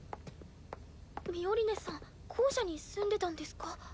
ミオリネさん校舎に住んでたんですか？